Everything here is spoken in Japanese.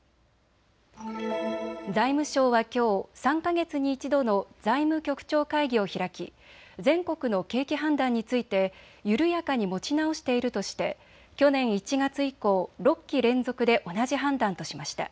財務省はきょう、３か月に１度の財務局長会議を開き全国の景気判断について緩やかに持ち直しているとして去年１月以降、６期連続で同じ判断としました。